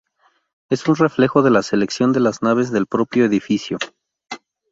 Es un reflejo de la sección de las naves del propio edificio.